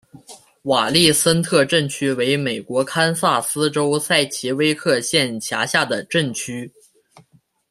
瓦利森特镇区为美国堪萨斯州塞奇威克县辖下的镇区。